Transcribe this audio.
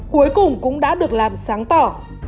cuối cùng cũng đã được làm sáng tỏ